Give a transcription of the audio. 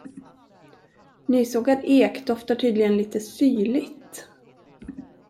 Nysågad ek doftar tydligen lite syrligt.